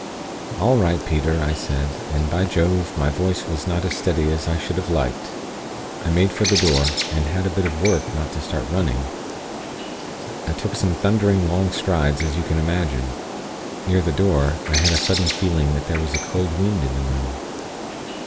"'All right, Peter,' I said, and by Jove, my voice was not as steady as I should have liked! I made for the door, and had a bit of work not to start running. I took some thundering long strides, as you can imagine. Near the door, I had a sudden feeling that there was a cold wind in the room.